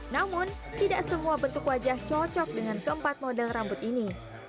namun tidak semua bentuk wajah cocok dengan keempat model rambut ini